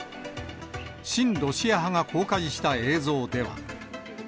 親ロシア派が公開した映像では。